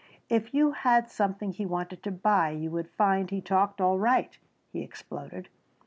"If you had something he wanted to buy you would find he talked all right," he exploded.